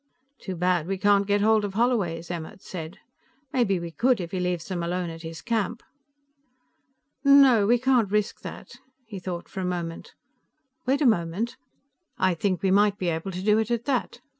"Too bad we can't get hold of Holloway's," Emmert said. "Maybe we could, if he leaves them alone at his camp." "No. We can't risk that." He thought for a moment. "Wait a moment. I think we might be able to do it at that.